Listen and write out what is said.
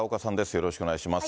よろしくお願いします。